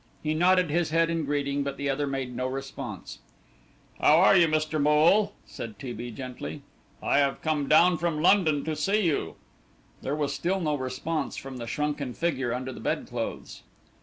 He nodded his head in greeting, but the other made no response. "How are you, Mr. Moole?" said T. B. gently. "I have come down from London to see you." There was still no response from the shrunken figure under the bedclothes.